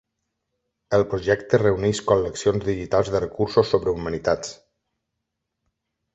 El projecte reuneix col·leccions digitals de recursos sobre humanitats.